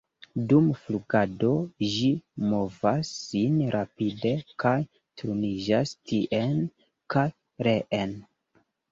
Dum flugado ĝi movas sin rapide kaj turniĝas tien kaj reen.